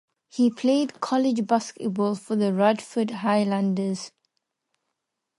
He played college basketball for the Radford Highlanders.